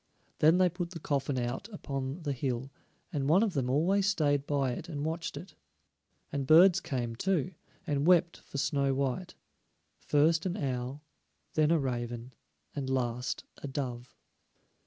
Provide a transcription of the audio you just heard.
Then they put the coffin out upon the hill, and one of them always stayed by it and watched it. And birds came too, and wept for Snow white; first an owl, then a raven, and last a dove.